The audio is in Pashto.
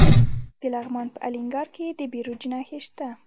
د لغمان په الینګار کې د بیروج نښې شته.